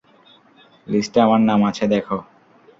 লিস্টে আমার নাম আছে দেখো।